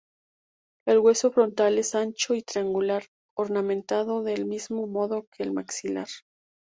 El hueso frontal es ancho y triangular, ornamentado del mismo modo que el maxilar.